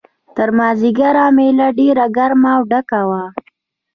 تر مازیګره مېله ډېره ګرمه او ډکه وه.